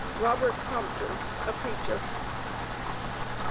ROBERT THOMPSON (A PREACHER).